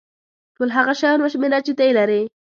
ټول هغه شیان وشمېره چې ته یې لرې.